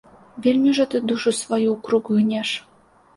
Вельмі ўжо ты душу сваю ў крук гнеш.